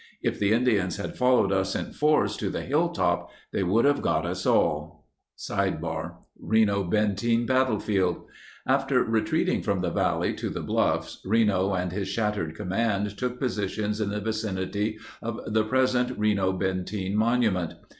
... If the Indians had followed us in force to the hill top, they would have got us all. " 101 O Reno Benteen Battlefield After retreating from the valley to the bluffs, Reno and his shattered command took positions in the vicinity of the present Reno Benteen monument.